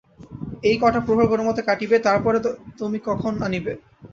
এই কটা প্রহর কোনোমতে কাটিবে, তার পরে–তমি কখন আনিবে?